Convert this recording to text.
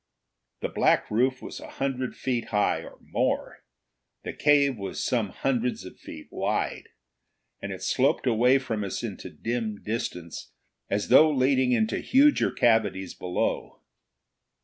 The black roof was a hundred feet high, or more; the cave was some hundreds of feet wide. And it sloped away from us into dim distance as though leading into huger cavities below.